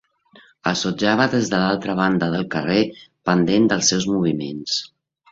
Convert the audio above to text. El sotjava des de l'altra banda del carrer, pendent dels seus moviments.